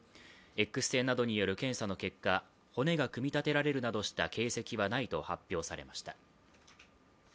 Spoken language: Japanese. Ｘ線などによる検査の結果骨が組み立てられるなどした形跡はないと発表されました。